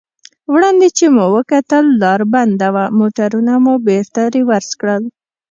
وړاندې چې مو وکتل لار بنده وه، موټرونه مو بېرته رېورس کړل.